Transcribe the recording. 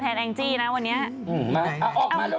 ที่เคยให้ไปจริงจักรที่เคยให้ไปจริงจักร